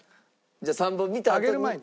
じゃあ３本見たあとに。